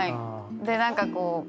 で何かこう。